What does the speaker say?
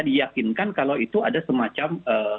diyakinkan kalau itu ada semacam